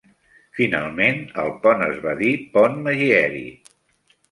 Finalment el pont es va dir pont Megyeri.